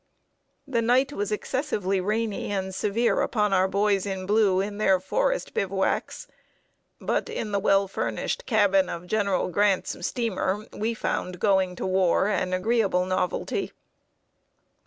The night was excessively rainy and severe upon our boys in blue in their forest bivouacs; but in the well furnished cabin of General Grant's steamer, we found "going to war" an agreeable novelty.